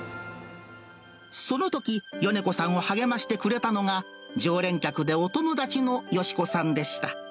そのとき、米子さんを励ましてくれたのが、常連客でお友達の良子さんでした。